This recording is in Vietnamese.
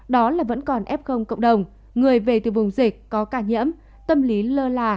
đó là vẫn còn ép không cộng đồng người về từ vùng dịch có cả nhiễm tâm lý lơ là